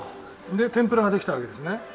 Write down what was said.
で天ぷらができたわけですね。